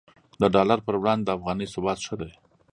د ډالر پر وړاندې د افغانۍ ثبات ښه دی